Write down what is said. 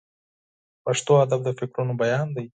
پښتو ادب د فکرونو بیان دی.